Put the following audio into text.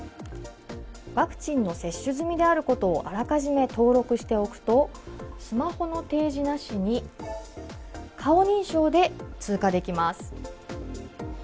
ワクチンを接種済みであることをあらかじめ登録しておくとスマホの提示なしに顔認証で通過できます。